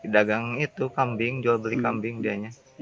dagang itu kambing jual beli kambing dianya